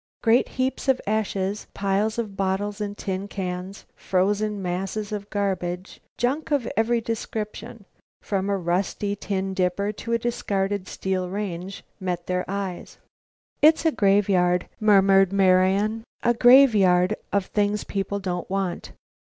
Great heaps of ashes, piles of bottles and tin cans, frozen masses of garbage; junk of every description, from a rusty tin dipper to a discarded steel range, met their eyes. "It's a graveyard," murmured Marian, "a graveyard of things people don't want."